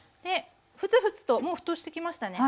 ふつふつともう沸騰してきましたね。